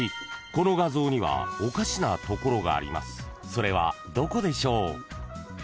［それはどこでしょう？］